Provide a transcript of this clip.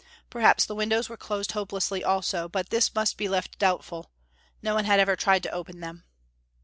Perhaps the windows were closed hopelessly also, but this must be left doubtful; no one had ever tried to open them.